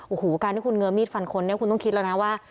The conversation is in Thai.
โอ้โหการที่คุณเงือมีดฟันคนเนี่ยคุณต้องคิดแล้วนะว่า